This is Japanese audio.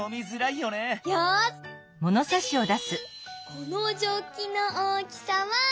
このジョッキの大きさは。